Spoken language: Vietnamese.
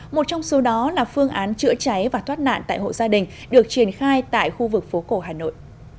một trong số đó là phương án chữa cháy và thoát nạn tại hộ gia đình được triển khai tại khu vực phố cổ hà nội